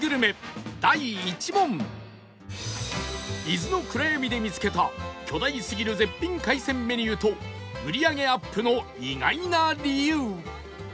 伊豆の暗闇で見つけた巨大すぎる絶品海鮮メニューと売り上げアップの意外な理由！